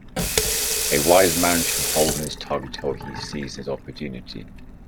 A wise man shall hold his tongue till he sees his opportunity.